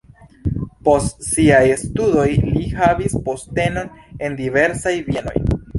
Post siaj studoj li havis postenon en diversaj bienoj.